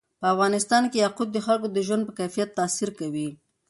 په افغانستان کې یاقوت د خلکو د ژوند په کیفیت تاثیر کوي.